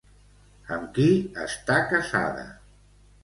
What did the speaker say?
Amb qui està casada?